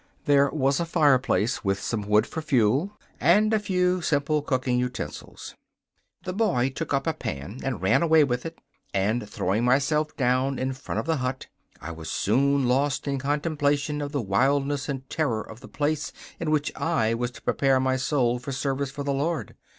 There was a fireplace, with some wood for fuel, and a few simple cooking utensils. The boy took up a pan and ran away with it, and, throwing myself down in front of the hut, I was soon lost in contemplation of the wildness and terror of the place in which I was to prepare my soul for service of the Lord.